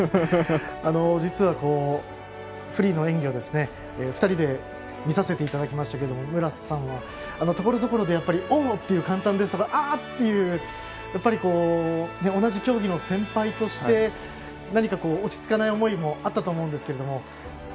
実は、フリーの演技を２人で見させていただきましたが無良さんはところどころでやっぱり、おお！という感嘆ですとかああっていう同じ競技の先輩として何か落ちつかない思いもあったと思いますが。